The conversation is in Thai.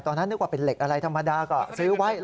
นึกว่าเป็นเหล็กอะไรธรรมดาก็ซื้อไว้